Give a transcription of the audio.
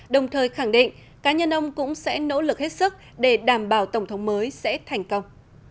đồng thời khẳng định cá nhân ông cũng sẽ nỗ lực hết sức để đảm bảo tổng thống mới sẽ thành công